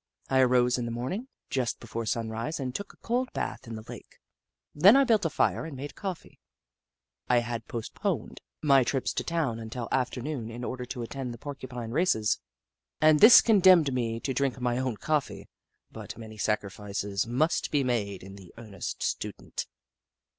I arose in the morning, just before sunrise, and took a cold bath in the lake. Then I built a fire and made coffee. I had postponed my trips to 30 The Book of Clever Beasts town until afternoon in order to attend the Porcupine races, and this condemned me to drink my own coffee, but many sacrifices must be made by the earnest student.